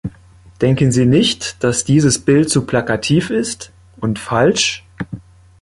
Denken Sie nicht, dass dieses Bild zu plakativ ist, und falsch?